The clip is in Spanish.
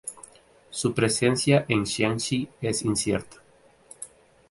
Su presencia en Jiangxi es incierta.